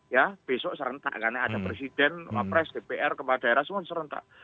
ya besok serentak karena ada presiden wapres dpr kepala daerah semua serentak